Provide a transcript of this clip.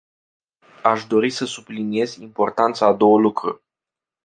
Aș dori să subliniez importanța a două lucruri.